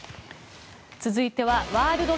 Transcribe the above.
続いてはワールド！